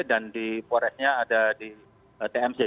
dan di poresnya ada di tmc